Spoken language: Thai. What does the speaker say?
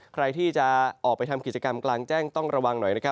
ใครที่จะออกไปทำกิจกรรมกลางแจ้งต้องระวังหน่อยนะครับ